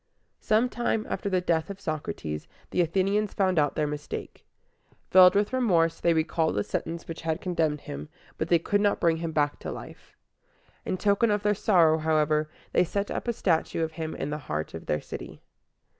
Some time after the death of Socrates, the Athenians found out their mistake. Filled with remorse, they recalled the sentence which had condemned him, but they could not bring him back to life. In token of their sorrow, however, they set up a statue of him in the heart of their city.